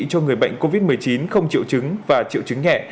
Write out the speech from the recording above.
cho người bệnh covid một mươi chín không triệu chứng và triệu chứng nhẹ